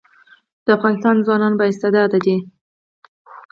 د افغانستان ځوانان با استعداده دي